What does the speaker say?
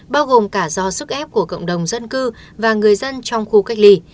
bao gồm cả do sức ép của cộng đồng dân cư và người dân trong khu cách ly